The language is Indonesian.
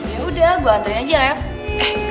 yaudah gue anterin aja rayang